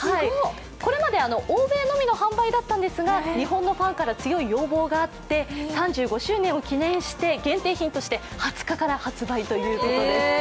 これまで欧米のみの販売だったんですが日本のファンから強い要望があって３５周年を記念して限定品として２０日から発売ということです。